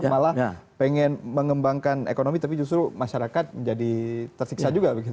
malah pengen mengembangkan ekonomi tapi justru masyarakat menjadi tersiksa juga begitu